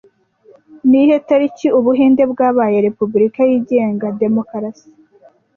Ni iyihe tariki Ubuhinde bwabaye repubulika yigenga, demokarasi